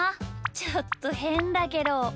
ちょっとへんだけど。